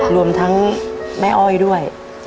รวมทั้งแม่อ้อยด้วย